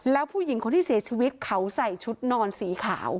แล้วผู้หญิงคนที่เสียชีวิตเขาใส่ชุดนอนสีขาว